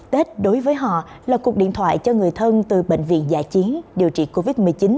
tết đối với họ là cuộc điện thoại cho người thân từ bệnh viện giả chiến điều trị covid một mươi chín